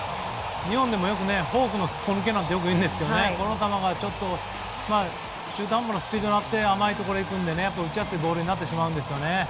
日本でもよくフォークのすっぽ抜けなんてよく言いますがこの球がちょっと中途半端なスピードになって甘いところに行くので打ちやすいボールになってしまいますね。